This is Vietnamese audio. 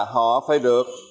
họ phải được